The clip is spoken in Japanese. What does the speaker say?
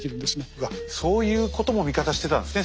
うわっそういうことも味方してたんですね。